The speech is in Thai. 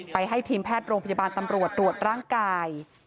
ให้ทีมแพทย์โรงพยาบาลตำรวจตรวจร่างกาย